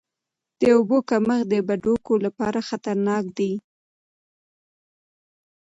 د اوبو کمښت د بډوګو لپاره خطرناک دی.